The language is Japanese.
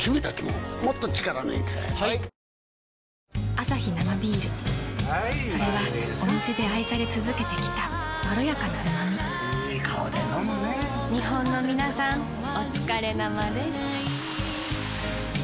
アサヒ生ビールそれはお店で愛され続けてきたいい顔で飲むね日本のみなさんおつかれ生です。